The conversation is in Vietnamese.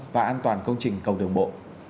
và an toàn công trình cầu đường bộ